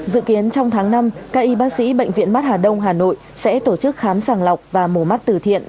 dự kiến trong tháng năm các y bác sĩ bệnh viện mắt hà đông hà nội sẽ tổ chức khám sàng lọc và mổ mắt từ thiện